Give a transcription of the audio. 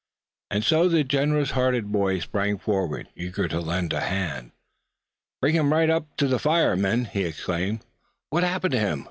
And so the generous hearted boy sprang forward, eager to lend a hand. "Bring him right up to the fire, men!" he exclaimed. "What happened to him?